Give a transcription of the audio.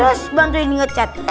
terus bantuin nge chat